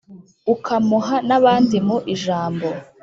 ukamuha n’abandi mu ijambo